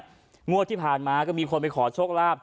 บัตรที่ผ่านมาก็มีคนไปขอโชคราบทว์